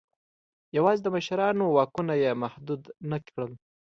یوازې د مشرانو واکونه یې محدود نه کړل.